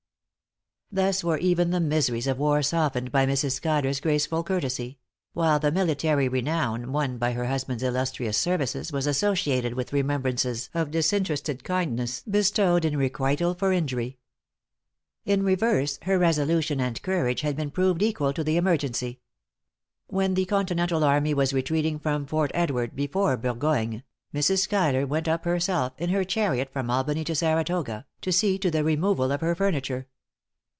Thus were even the miseries of war softened by Mrs. Schuyler's graceful courtesy; while the military renown won by her husband's illustrious services, was associated with remembrances of disinterested kindness bestowed in requital for injury. In reverse, her resolution and courage had been proved equal to the emergency. When the continental army was retreating from Fort Edward before Burgoyne, Mrs. Schuyler went up herself, in her chariot from Albany to Saratoga, to see to the removal of her furniture.